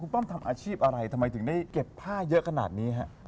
ป้อมทำอาชีพอะไรทำไมถึงได้เก็บผ้าเยอะขนาดนี้ฮะ